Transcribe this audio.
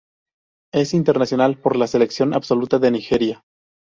Es internacional por la selección absoluta de Nigeria.